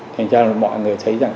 thế nên là mọi người thấy rằng